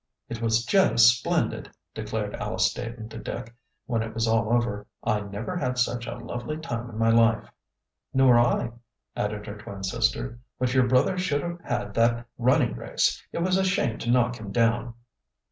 "It was just splendid!" declared Alice Staton to Dick, when it was all over. "I never had such a lovely time in my life." "Nor I," added her twin sister. "But your brother should have had that running race. It was a shame to knock him down."